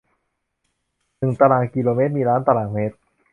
หนึ่งตารางกิโลเมตร มีล้านตารางเมตร